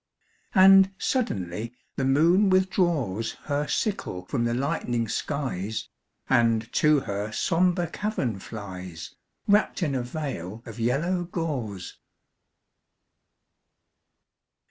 And suddenly the moon withdraws Her sickle from the lightening skies, And to her sombre cavern flies, Wrapped in a veil of yellow gauze.